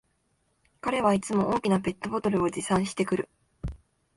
彼はいつも大きなペットボトルを持参してくる